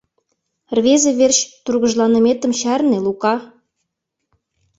Рвезе верч тургыжланыметым чарне, Лука.